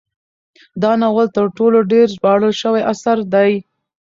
دا ناول تر ټولو ډیر ژباړل شوی اثر دی.